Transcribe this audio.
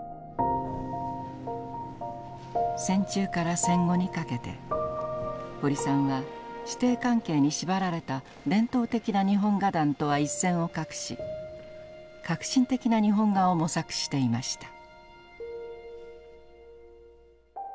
戦中から戦後にかけて堀さんは師弟関係に縛られた伝統的な日本画壇とは一線を画し革新的な日本画を模索していました。